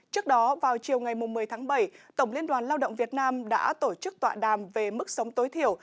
trước đó vào chiều ngày một mươi tháng bảy tổng liên đoàn lao động việt nam đã tổ chức tọa đàm về mức sống tối thiểu